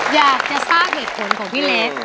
อยากจะทราบผิดขนของพี่เล็ก